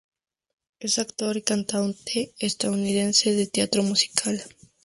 Es actor y cantante estadounidense de teatro musical.